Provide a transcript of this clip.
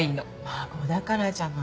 孫だからじゃない？